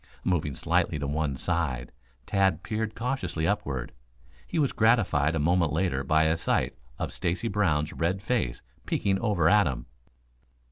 Moving slightly to one side, Tad peered cautiously upward. He was gratified a moment later by a sight of Stacy Brown's red face peeking over at him.